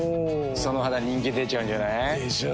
その肌人気出ちゃうんじゃない？でしょう。